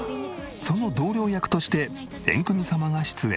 その同僚役としてエンクミ様が出演。